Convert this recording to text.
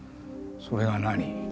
それが何？